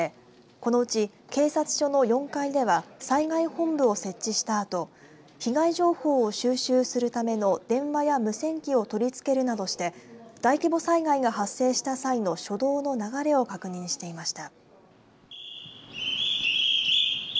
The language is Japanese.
このうち警察署の４階では災害本部を設置したあと被害情報を収集するための電話や無線機を取りつけるなどして大規模災害が発生した際の初動の流れを確認していました。